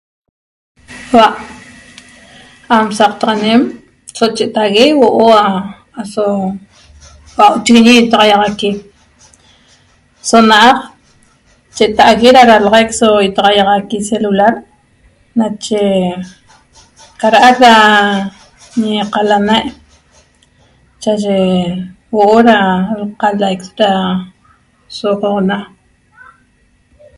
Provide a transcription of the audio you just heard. Huaa' sa aqtaxanem so chetague huoo aso chiguiñi itahiaxaqui so naa' che tague da dalaxaiq so itahiaxaqui celular nache caraaq da ñe la calamee chaaye huoo da lcat da soxona